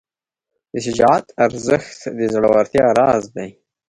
د شجاعت ارزښت د زړورتیا راز دی.